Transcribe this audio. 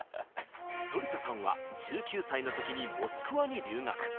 反田さんは１９歳の時にモスクワに留学。